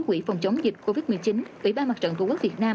quỹ phòng chống dịch covid một mươi chín ủy ban mặt trận tổ quốc việt nam